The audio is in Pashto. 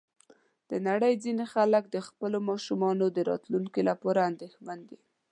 د نړۍ ځینې خلک د خپلو ماشومانو د راتلونکي لپاره اندېښمن دي.